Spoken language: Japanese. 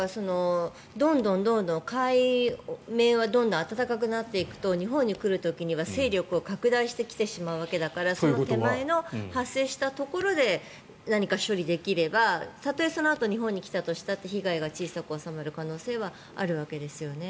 海面はどんどん暖かくなっていくと日本に来る時には勢力を拡大してきてしまうわけだからその手前の発生したところで何か処理できればたとえそのあと日本に来たとしたって被害が小さく収まる可能性はあるわけですよね。